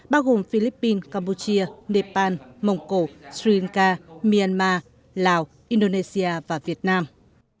bao gồm philippines campuchia nepal mông cổ sri lanka myanmar lào indonesia và việt nam